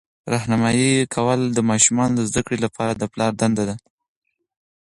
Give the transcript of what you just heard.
راهنمایي کول د ماشومانو د زده کړې لپاره د پلار دنده ده.